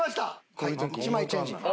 はい１枚チェンジ。